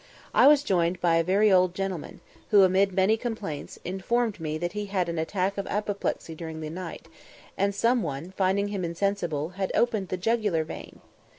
I was joined by a very old gentleman, who, amid many complaints, informed me that he had had an attack of apoplexy during the night, and some one, finding him insensible, had opened the jugular vein.